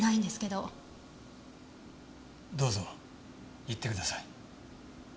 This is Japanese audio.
どうぞ言ってください。